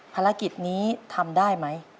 ภารกิจนี้ทำได้ไหม